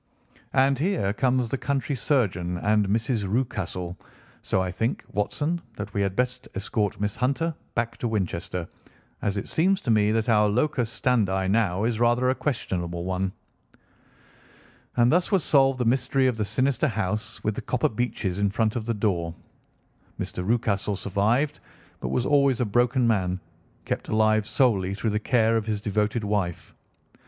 And here comes the country surgeon and Mrs. Rucastle, so I think, Watson, that we had best escort Miss Hunter back to Winchester, as it seems to me that our locus standi now is rather a questionable one." And thus was solved the mystery of the sinister house with the copper beeches in front of the door. Mr. Rucastle survived, but was always a broken man, kept alive solely through the care of his devoted wife.